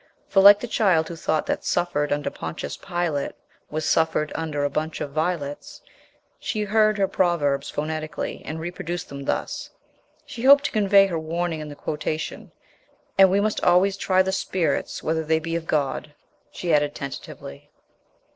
For, like the child who thought that "suffered under Pontius Pilate" was "suffered under a bunch of violets," she heard her proverbs phonetically and reproduced them thus. She hoped to convey her warning in the quotation. "And we must always try the spirits whether they be of God," she added tentatively.